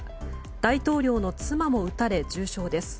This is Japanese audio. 大統領の妻も撃たれ重傷です。